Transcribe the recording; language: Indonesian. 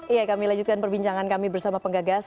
iya kami lanjutkan perbincangan kami bersama penggagas